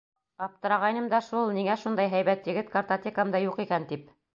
Аптырағайным да шул: ниңә шундай һәйбәт егет картотекамда юҡ икән тип.